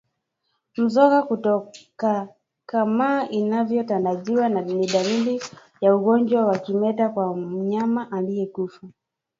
Mzoga kutokakamaa inavyotarajiwa ni dalili ya ugonjwa wa kimeta kwa mnyama aliyekufa